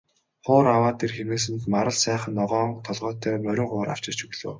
Хуур аваад ир хэмээсэнд Марал сайхан ногоон толгойтой морин хуур авчирч өглөө.